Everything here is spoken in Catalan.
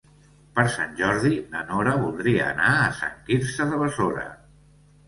Per Sant Jordi na Nora voldria anar a Sant Quirze de Besora.